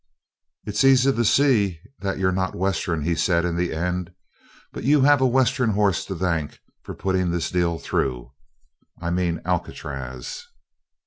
"It's easy to see that you're not Western," he said in the end, "but you have a Western horse to thank for putting this deal through I mean Alcatraz."